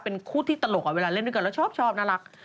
เป็นคู่ที่ตลกเวลาเล่นด้วยกันแล้วชอบน่ารัก